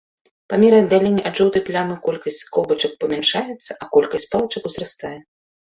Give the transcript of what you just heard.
Па меры аддалення ад жоўтай плямы колькасць колбачак памяншаецца, а колькасць палачак узрастае.